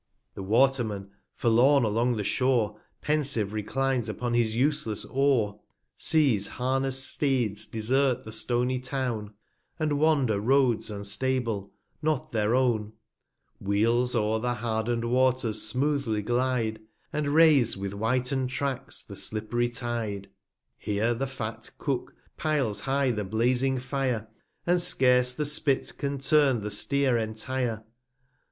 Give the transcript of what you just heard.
The Waterman, forlorn along the Shore, Pensive reclines upon his useless Oar, 240 Sees harness'd Steeds desert the stony Town; And wander Roads unstable, not their own: Wheels o'er the harden'd Waters smoothly glide, And rase with whiten'd Tracks the slipp'ry Tide. ir i A Here the fat Cook piles high the blazing Fire, 245 And scarce the Spit can turn the Steer entire.